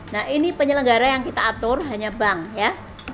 nah ini penyelenggara yang kita atur hanya bank ya